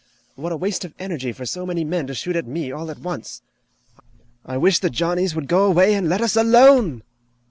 What a waste of energy for so many men to shoot at me all at once. I wish the Johnnies would go away and let us alone!"